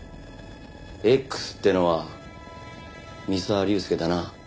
Ｘってのは三沢龍介だな？